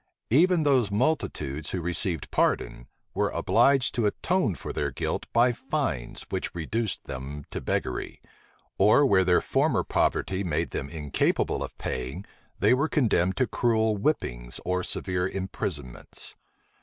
Even those multitudes who received pardon, were obliged to atone for their guilt by fines which reduced them to beggary; or where their former poverty made them incapable of paying, they were condemned to cruel whippings or severe imprisonments.